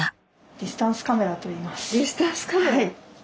ディスタンス・カメラといいます。